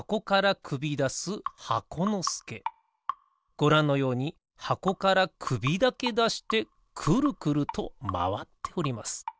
ごらんのようにはこからくびだけだしてくるくるとまわっております。